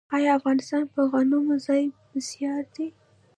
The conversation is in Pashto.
آیا افغانستان په غنمو ځان بسیا دی؟